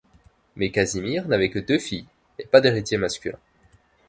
Mais Casimir n'avait que deux filles et pas d'héritier masculin.